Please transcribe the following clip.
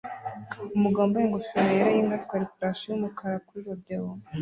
Umugabo wambaye ingofero yera yinka atwara ifarashi yumukara kuri rodeo